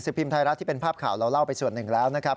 พิมพ์ไทยรัฐที่เป็นภาพข่าวเราเล่าไปส่วนหนึ่งแล้วนะครับ